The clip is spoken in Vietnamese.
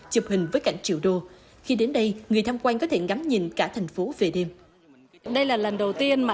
chụp hình với cảnh triệu đô khi đến đây người tham quan có thể ngắm nhìn cả thành phố về đêm